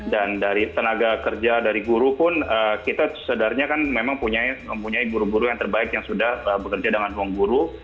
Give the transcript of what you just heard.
dan dari tenaga kerja dari guru pun kita sedarnya kan memang mempunyai guru guru yang terbaik yang sudah bekerja dengan uang guru